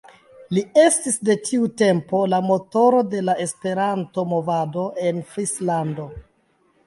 Li estis de tiu tempo la "motoro" de la Esperanto-movado en Frislando.